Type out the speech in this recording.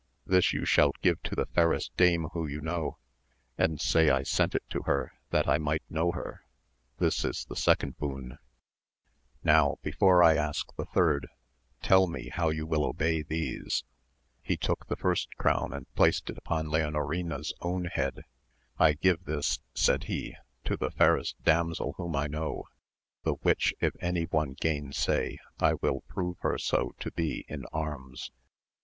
This, you shall give to the &irest dame whom yon know,, and say I sent it to her that I might know her; ^m is the second boon: now before I ask the third tell me how you will obey these 9 He took the first crown and placed it uppn Leonorina's own head — ^I give this, said he, to the fairest damsel whom I know, the which, if any one gainsay, I will prove her so to be in anms.